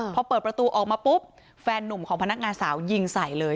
พอเปิดประตูออกมาปุ๊บแฟนนุ่มของพนักงานสาวยิงใส่เลย